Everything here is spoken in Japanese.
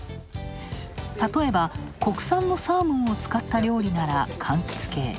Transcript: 例えば、国産のサーモンを使った料理ならかんきつ系。